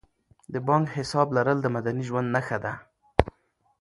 د بانک حساب لرل د مدني ژوند نښه ده.